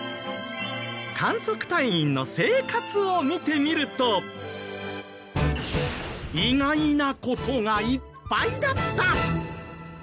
観測隊員の生活を見てみると意外な事がいっぱいだった！